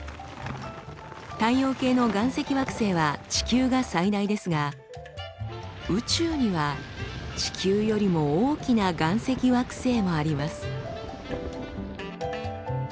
太陽系の岩石惑星は地球が最大ですが宇宙には地球よりも大きな岩石惑星もあります。